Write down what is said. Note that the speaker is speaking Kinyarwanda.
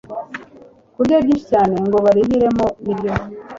kurya byinshi cyane ngo barihiremo n’ibyo